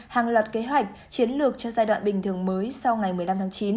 hàng loạt kế hoạch chiến lược cho giai đoạn bình thường mới sau ngày một mươi năm tháng chín